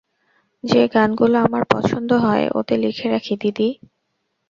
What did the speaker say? যে গানগুলো আমার পছন্দ হয় ওতে লিখে রাখি দিদি।